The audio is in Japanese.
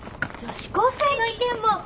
女子高生の意見も。